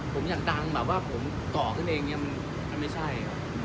ผมอยากดังผมต่อขึ้นเองนี่มันไม่ใช่